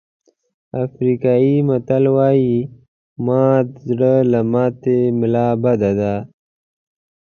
افریقایي متل وایي مات زړه له ماتې ملا بده ده.